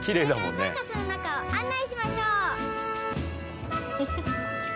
サーカスの中を案内しましょう。